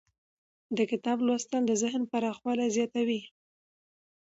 د کتاب لوستل د ذهن پراخوالی زیاتوي.